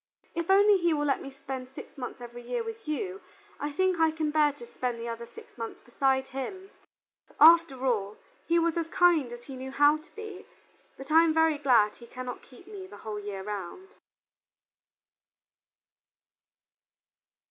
If only he will let me spend six months every year with you, I think I can bear to spend the other six months beside him. After all, he was as kind as he knew how to be, but I am very glad he cannot keep me the whole year round."